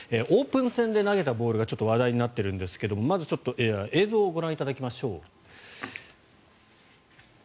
オープン戦で投げたボールがちょっと話題になっているんですが映像をご覧いただきましょう。